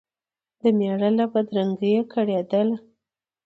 د مېړه له بدرنګیه کړېدله